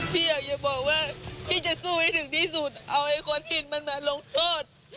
พี่อยากจะบอกว่าพี่จะสู้ให้ถึงที่สุดเอาไอ้คนผิดมันมาลงโทษ